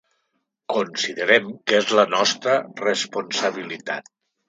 Considerem que és la nostra responsabilitat.